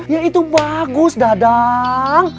ya itu bagus dadang